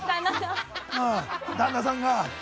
旦那さんが。